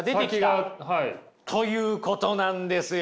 ということなんですよ。